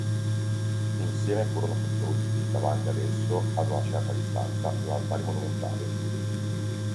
Insieme furono costruiti, davanti ad esso, a una certa distanza, due altari monumentali.